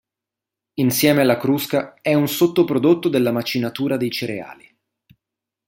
Insieme alla crusca, è un sottoprodotto della macinatura dei cereali.